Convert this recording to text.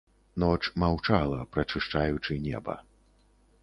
Ноч маўчала, прачышчаючы неба.